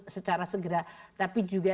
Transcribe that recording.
secara segera tapi juga